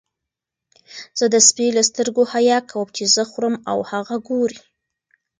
زه د سپي له سترګو حیا کوم چې زه خورم او هغه ګوري.